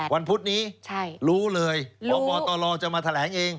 วันพุธนี้ใช่รู้เลยรู้ออกบ่อต่อรอจะมาแถลงเอง